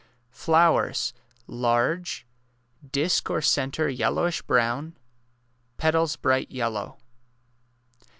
Flowers— large— disc or centre yellowish brown— petals bright yellow.